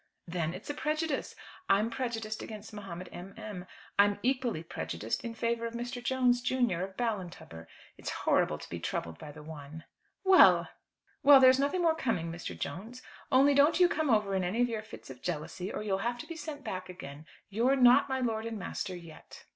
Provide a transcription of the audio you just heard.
"Then it's a prejudice. I'm prejudiced against Mahomet M. M. I'm equally prejudiced in favour of Mr. Jones, junior, of Ballintubber. It's horrible to be troubled by the one." "Well!" "Well! There's nothing more coming, Mr. Jones. Only don't you come over in any of your fits of jealousy, or you'll have to be sent back again. You're not my lord and master yet."